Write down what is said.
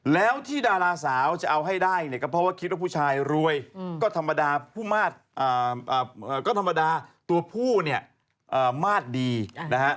แล้วที่ดาราสาวจะเอาให้ได้เนี่ยก็เพราะว่าคิดว่าผู้ชายรวยก็ธรรมดาผู้มาก็ธรรมดาตัวผู้เนี่ยมาตรดีนะฮะ